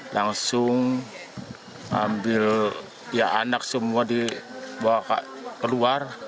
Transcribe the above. langsung ambil ya anak semua dibawa keluar